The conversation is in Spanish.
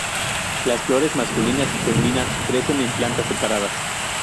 Las flores masculinas y femeninas crecen en plantas separadas.